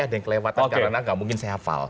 ada yang kelewatan karena nggak mungkin saya hafal